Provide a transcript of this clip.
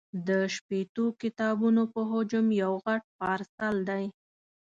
د شپېتو کتابونو په حجم یو غټ پارسل دی.